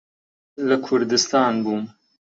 لە کوردستان بووم.